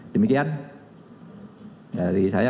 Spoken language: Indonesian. demikian dari saya